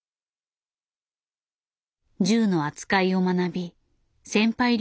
銃の扱いを学び先輩